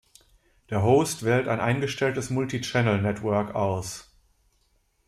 Der Host wählt ein eingestelltes Multi-Channel-Network aus.